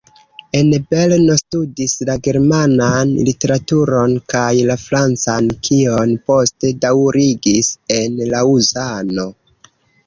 En Berno studis la germanan literaturon kaj la francan, kion poste daŭrigis en Laŭzano.